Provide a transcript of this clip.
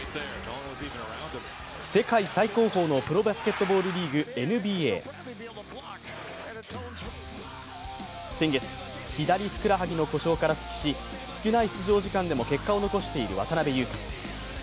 世界最高峰のプロバスケットリーグ・ＮＢＡ先月、左ふくらはぎの故障から復帰し、少ない出場時間でも結果を残している渡邊雄太。